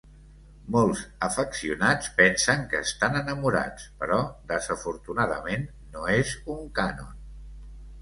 Molts afeccionats pensen que estan enamorats, però desafortunadament no és un cànon.